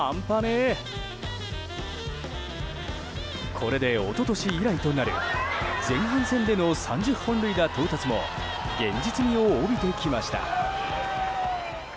これで、一昨年以来となる前半戦での３０本塁打到達も現実味を帯びてきました。